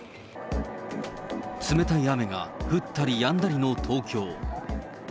冷たい雨が降ったりやんだりの東京。